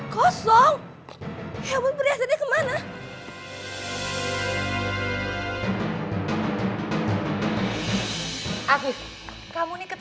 kosong hewan perhiasannya ke mana